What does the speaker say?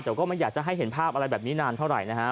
แต่ก็ไม่อยากจะให้เห็นภาพอะไรแบบนี้นานเท่าไหร่นะฮะ